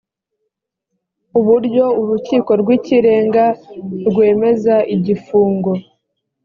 uburyo urukiko rw ikirenga rwemeza igifunga